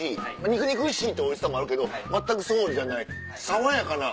肉々しいっておいしさもあるけど全くそうじゃない爽やかな。